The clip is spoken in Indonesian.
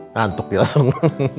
nantuk ya nino